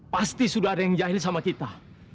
pasti sudah ada yang jahit sama kita